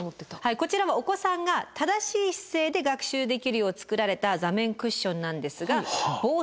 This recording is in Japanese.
こちらはお子さんが正しい姿勢で学習できるよう作られた座面クッションなんですが防災グッズでもあるんです。